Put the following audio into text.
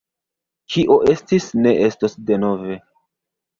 Kio estis ne estos denove.